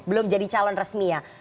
belum jadi calon resmi ya